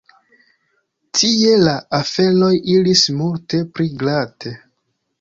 Tie la aferoj iris multe pli glate.